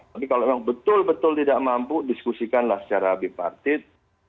tapi kalau memang betul betul tidak mampu diskusikanlah secara bipartit